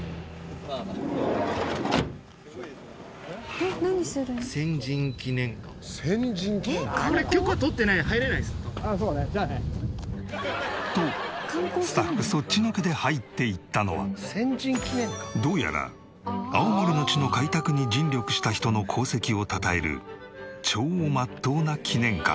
「えっ何するの？」とスタッフそっちのけで入っていったのはどうやら青森の地の開拓に尽力した人の功績をたたえる超まっとうな記念館。